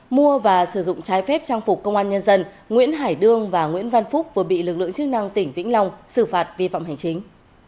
mua và sử dụng trái phép trang phục công an nhân dân nguyễn hải đương và nguyễn văn phúc vừa bị lực lượng chức năng tỉnh vĩnh long xử phạt vi phạm hành chính